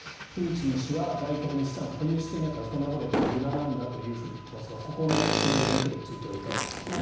プーチン氏は外国に資産は保有していないからこんなことをやっても無駄だと言っていますがここのやり取りについてはいかがですか？